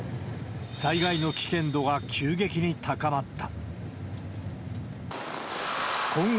災害の危険度が急激に高まった。